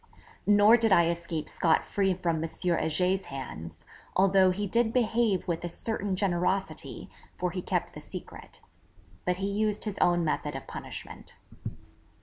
Nor did I escape scot free from M. Heger's hands, although he did behave with a certain generosity, for he kept the secret. But he used his own method of punishment.